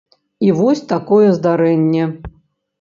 І вось такое здарэнне!